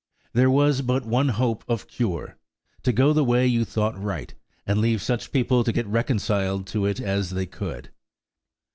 There was but one hope of cure–to go the way you thought right, and leave such people to get reconciled to it as they could.